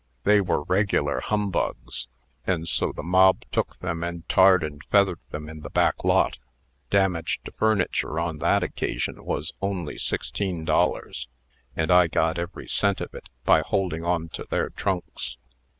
They were regular humbugs; and so the mob took them, and tarred and feathered them in the back lot. Damage to furniture on that occasion was only sixteen dollars; and I got every cent of it, by holding on to their trunks.